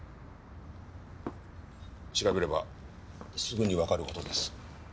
調べればすぐにわかる事です。